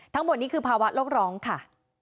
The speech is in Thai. ทั้งหมดนี้คือภาวะโลกร้องค่ะ